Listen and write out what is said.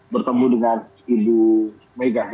bertemu dengan ibu mega